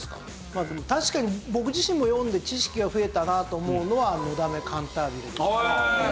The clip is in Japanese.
まあでも確かに僕自身も読んで知識が増えたなと思うのは『のだめカンタービレ』ですね。